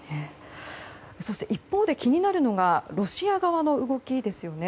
そして一方で気になるのがロシア側の動きですよね。